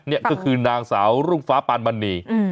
นี่ก็คือนางสาวรุ่งฟ้าปานมณี